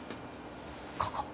ここ。